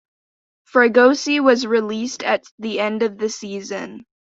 Fregosi was released at the end of the season.